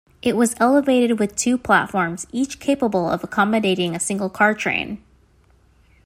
It was elevated with two platforms, each capable of accommodating a single car train.